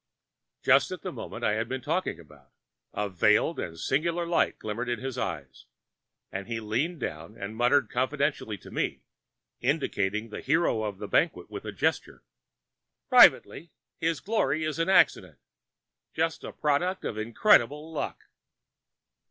Just at the moment I have been talking about, a veiled and singular light glimmered in his eyes, and he leaned down and muttered confidentially to me—indicating the hero of the banquet with a gesture,—'Privately—his glory is an accident—just a product of incredible luck.'